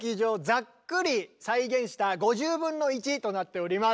ざっくり再現した５０分の１となっております。